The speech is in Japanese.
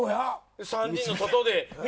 ３人が外で。